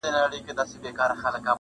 میکده څه نن یې پیر را سره خاندي،